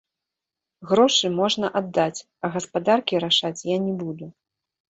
Грошы можна аддаць, а гаспадаркі рашаць я не буду.